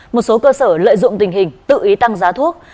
một số cơ sở lợi dụng tình hình tự ý tăng giá thuốc